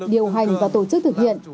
điều hành và tổ chức thực hiện